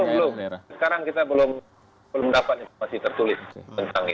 belum sekarang kita belum dapat informasi tertulis tentang ini